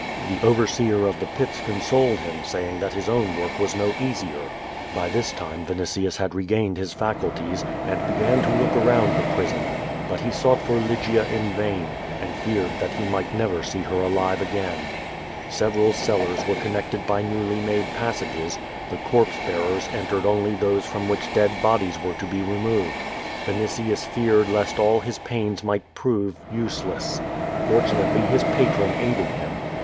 446 Q^O VADI8. The overseer of the Pits consoled him, saying that his own work was no easier. By this time Vinitins had regained his faculties, and began ti> look annind the prison; but he sought for Lygia in vain, aiid feared that he might never see her again alive. Several clllars were connected by newly made passages; the corpse be^rs entered only those from which dead bodies were to be riSiioved, A'initius feared lest all his pains might prove uselesi. Fortunately his patron aided him.